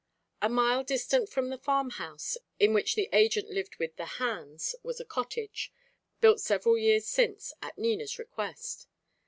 A mile distant from the farm house in which the agent lived with the "hands" was a cottage, built several years since at Nina's request.